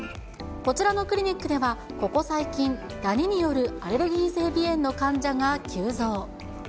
こちらのクリニックでは、ここ最近、ダニによるアレルギー性鼻炎の患者が急増。